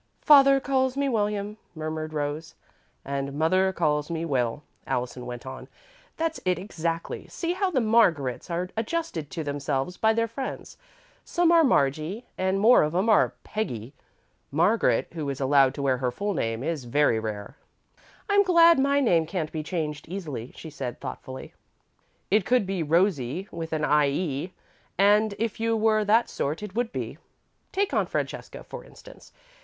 "'Father calls me William,'" murmured Rose. "'And Mother calls me Will,'" Allison went on. "That's it, exactly. See how the 'Margarets' are adjusted to themselves by their friends. Some are 'Margie' and more of 'em are 'Peggy.' 'Margaret' who is allowed to wear her full name is very rare." "I'm glad my name can't be changed, easily," she said, thoughtfully. "It could be 'Rosie,' with an 'ie,' and if you were that sort, it would be. Take Aunt Francesca, for instance.